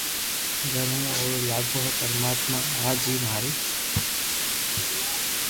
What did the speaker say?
گيو ھين اووا لاگو اي پرماتما اج ٿي ماري